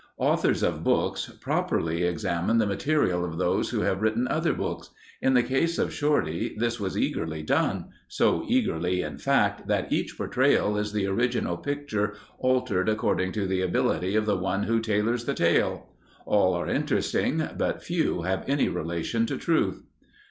Authors of books properly examine the material of those who have written other books. In the case of Shorty this was eagerly done—so eagerly in fact, that each portrayal is the original picture altered according to the ability of the one who tailors the tale. All are interesting but few have any relation to truth.